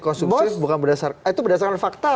konsumsi bukan berdasarkan fakta